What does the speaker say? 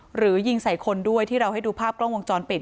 หรือยิงใส่คนด้วยที่เราให้ดูภาพกล้องวงจรปิด